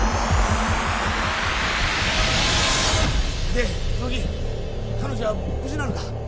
で乃木彼女は無事なのか？